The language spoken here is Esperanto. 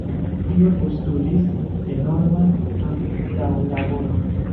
Tio postulis enorman antaŭlaboron.